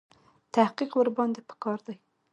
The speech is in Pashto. تحقیق ورباندې په کار دی.